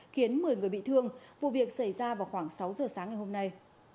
khiến một mươi người bị thương vụ việc xảy ra vào khoảng sáu giờ sáng ngày hôm nay